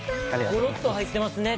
ゴロッと入ってますね。